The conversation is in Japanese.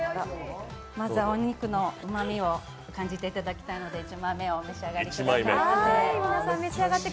まずはお肉のうまみを感じていただきたいので、１枚目をお召し上がりください。